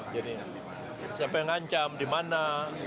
jadi siapa yang ngancam di mana